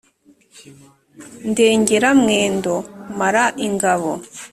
ndengera mwendo mara ingabo.